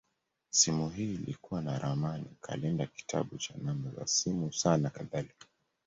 Simu hii ilikuwa na ramani, kalenda, kitabu cha namba za simu, saa, nakadhalika.